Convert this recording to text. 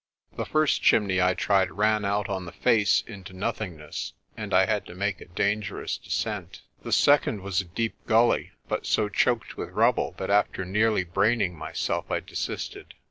The first chimney I tried ran out on the face into noth ingness, and I had to make a dangerous descent. The sec ond was a deep gully, but so choked with rubble that after nearly braining myself I desisted.